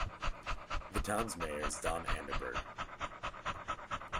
The town's mayor is Don Anderberg.